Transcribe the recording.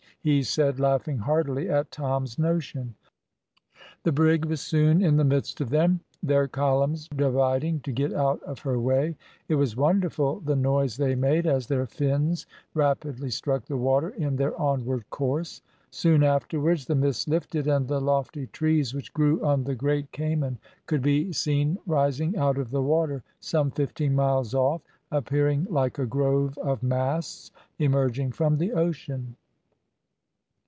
he said, laughing heartily at Tom's notion. The brig was soon in the midst of them, their columns dividing to get out of her way. It was wonderful the noise they made, as their fins rapidly struck the water in their onward course. Soon afterwards the mist lifted, and the lofty trees which grew on the great Cayman could be seen rising out of the water some fifteen miles off, appearing like a grove of masts emerging from the ocean.